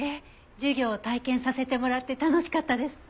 授業を体験させてもらって楽しかったです。